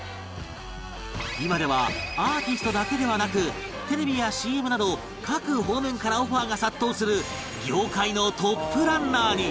今ではアーティストだけではなくテレビや ＣＭ など各方面からオファーが殺到する業界のトップランナーに！